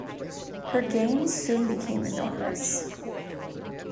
Her gains soon became enormous.